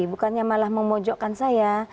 bukannya malah memojokkan saya